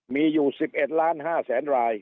มีอยู่สิบเอ็ดล้านห้าแสนราย